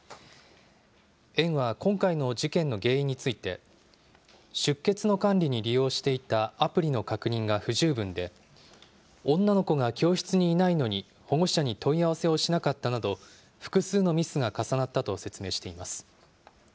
園は今回の事件の原因について、出欠の管理に利用していたアプリの確認が不十分で、女の子が教室にいないのに、保護者に問い合わせをしなかったなど、複数のミスが重なったと説明しています。